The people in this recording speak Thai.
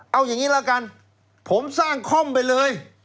เอาอย่างนี้ละกันผมสร้างค่อมไปเลย